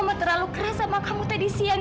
sama terlalu keras sama kamu tadi siang